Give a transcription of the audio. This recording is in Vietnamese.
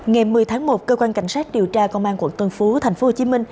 ngày một mươi tháng một cơ quan cảnh sát điều tra công an quận tân phú tp hcm